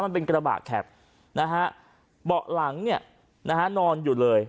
มันเป็นกระบะแข็บนะฮะเบาะหลังเนี่ยนะฮะนอนอยู่เลย